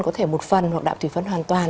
có thể một phần hoặc đạm thủy phân hoàn toàn